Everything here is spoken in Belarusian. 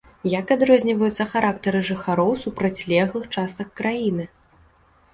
Як адрозніваюцца характары жыхароў супрацьлеглых частак краіны?